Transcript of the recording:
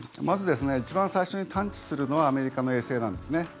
まず、一番最初に探知するのはアメリカの衛星なんです。